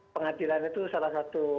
pengadilan itu salah satu